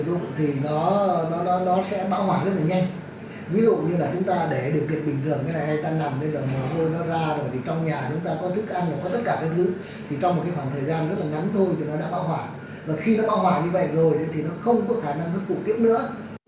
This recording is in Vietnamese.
và khi nó bão hỏa như vậy rồi thì nó không có khả năng thức phụ tiếp nữa